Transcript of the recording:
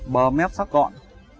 bờ mép sắc gọn